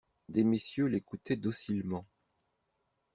Des messieurs l'écoutaient docilement.